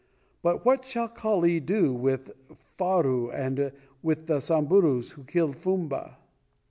But what shall Kali do with Faru and with the Samburus who killed Fumba?"